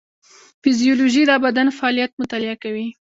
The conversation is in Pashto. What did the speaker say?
فیزیولوژي د بدن فعالیت مطالعه کوي